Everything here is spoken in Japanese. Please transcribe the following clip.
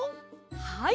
はい。